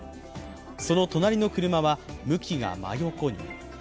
その隣の車は向きが真横に。